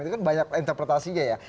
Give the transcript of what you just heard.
itu kan banyak interpretasinya ya